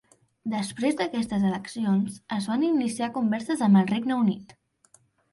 Després d'aquestes eleccions es van iniciar converses amb el Regne Unit.